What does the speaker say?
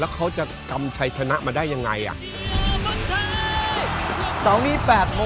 แล้วเขาจะกำชัยชนะมาได้อย่างไร